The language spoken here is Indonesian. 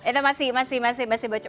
itu masih masih masih masih baca